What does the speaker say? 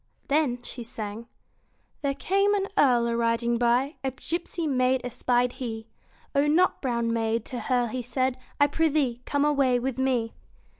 Then she sang There came an earl a riding by, A gipsy maid espied he ; O nut brown maid, to her he said, I prithee, come away with me.